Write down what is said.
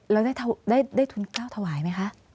แล้วได้ทุนก้าวถวายไหมคะ